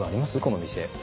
この店。